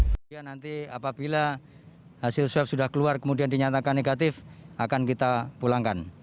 kemudian nanti apabila hasil swab sudah keluar kemudian dinyatakan negatif akan kita pulangkan